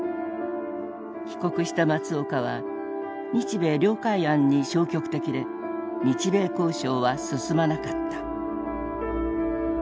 帰国した松岡は日米諒解案に消極的で日米交渉は進まなかった。